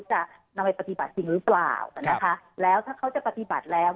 จะนำไปปฏิบัติจริงหรือเปล่านะคะแล้วถ้าเขาจะปฏิบัติแล้ว